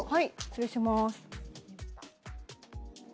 失礼します。